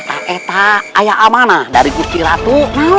ada ayah amana dari kusiratu